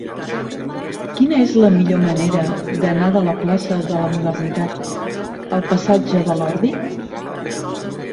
Quina és la millor manera d'anar de la plaça de la Modernitat al passatge de l'Ordi?